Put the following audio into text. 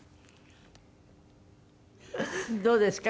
どうですか？